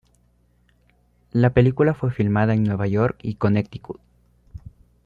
La película fue filmada en Nueva York y Connecticut.